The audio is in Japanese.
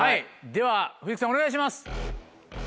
では藤木さんお願いします。